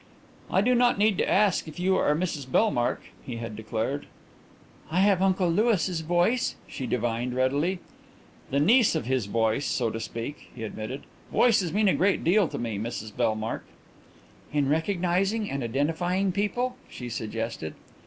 "I do not need to ask if you are Mrs Bellmark," he had declared. "I have Uncle Louis's voice?" she divined readily. "The niece of his voice, so to speak," he admitted. "Voices mean a great deal to me, Mrs Bellmark." "In recognizing and identifying people?" she suggested.